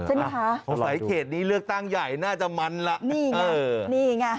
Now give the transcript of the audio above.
เออเอาล่ะพอใส่เขตนี้เลือกตั้งใหญ่น่าจะมันละนี่ไงนี่ไง